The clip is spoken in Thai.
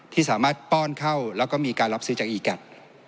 ที่สามารถป้อนเข้าแล้วก็มีการรับซื้อจากอีกัส